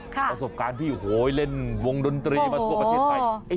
ประสบการณ์ที่เล่นวงดนตรีประสบการณ์ที่ใด